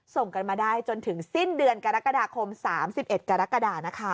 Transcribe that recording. ส่งกันมาได้จนถึงสิ้นเดือนกรกฎาคม๓๑กรกฎานะคะ